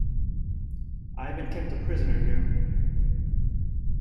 I have been kept a prisoner here.